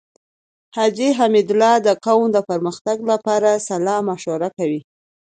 حاجی حميدالله د قوم د پرمختګ لپاره صلاح مشوره کوي.